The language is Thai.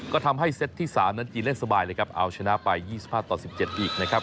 ก็ทำให้เซตที่๓นั้นจีนเล่นสบายเลยครับเอาชนะไป๒๕ต่อ๑๗อีกนะครับ